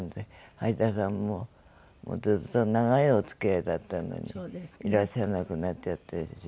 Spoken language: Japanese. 橋田さんもずっと長いお付き合いだったのにいらっしゃらなくなっちゃったし。